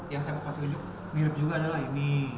yang saya mau kasih ujuk mirip juga adalah ini